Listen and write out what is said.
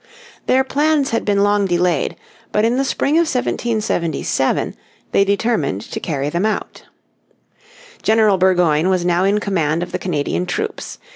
Their plans had been long delayed, but in the spring of 1777, they determined to carry them out. General Burgoyne was now in command of the Canadian troops.